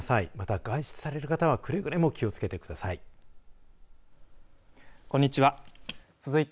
また外出される方はくれぐれも気をつけてください。